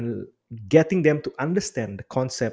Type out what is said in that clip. dan membuat mereka memahami konsep